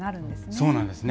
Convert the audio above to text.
そうなんですね。